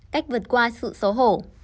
cách vượt qua sự xấu hổ